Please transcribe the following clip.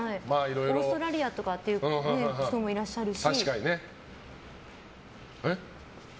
オーストラリアっていう人もいらっしゃるし。